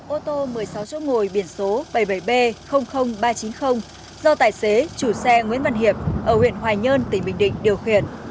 ô tô một mươi sáu chỗ ngồi biển số bảy mươi bảy b ba trăm chín mươi do tài xế chủ xe nguyễn văn hiệp ở huyện hoài nhơn tỉnh bình định điều khiển